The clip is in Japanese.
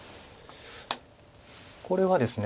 これはですね